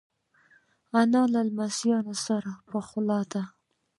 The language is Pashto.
انا له لمسیو سره پخلا ده